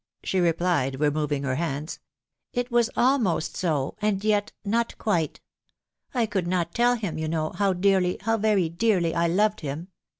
" she replied, removing her hands. et It was almost so, and yet jiot quite. ... I could not tell him, you know, how dearly, how very dearly, I loved him